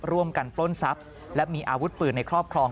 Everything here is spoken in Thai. ปล้นทรัพย์และมีอาวุธปืนในครอบครอง